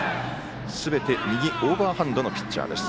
すべて右、オーバーハンドのピッチャーです。